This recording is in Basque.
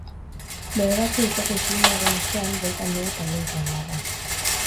Bederatzi urteko isilunearen ostean, bueltan dugu talde irlandarra.